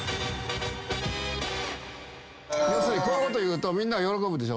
こういうこと言うとみんなが喜ぶでしょ。